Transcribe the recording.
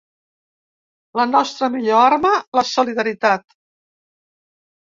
La nostra millor arma, la solidaritat.